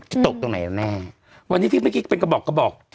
ตกตรงไหนกันแน่วันนี้ที่เมื่อกี้เป็นกระบอกกระบอก